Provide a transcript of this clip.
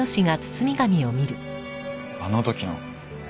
あの時の。